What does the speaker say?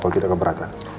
kalau tidak keberatan